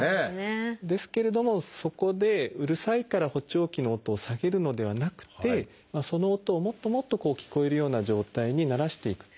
ですけれどもそこでうるさいから補聴器の音を下げるのではなくてその音をもっともっと聞こえるような状態に慣らしていく。